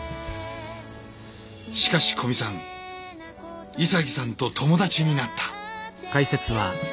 しかし古見さん潔さんと友達になった！